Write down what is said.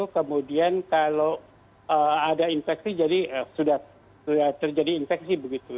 kemudian kalau ada infeksi jadi sudah terjadi infeksi begitu